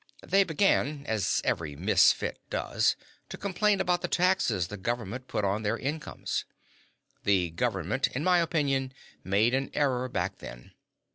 "They began, as every misfit does, to complain about the taxes the government put on their incomes. The government, in my opinion, made an error back then.